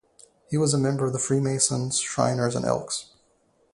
He was a member of the Freemasons, Shriners, and Elks.